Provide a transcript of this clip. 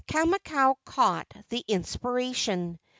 Kamakau caught the inspiration.